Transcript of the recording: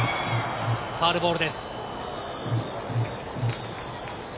ファウルボールです。